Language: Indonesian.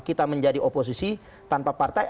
kita menjadi oposisi tanpa partai